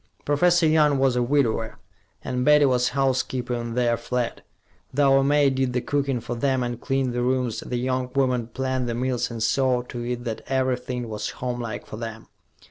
Professor Young was a widower, and Betty was housekeeper in their flat; though a maid did the cooking for them and cleaned the rooms, the young woman planned the meals and saw to it that everything was homelike for them.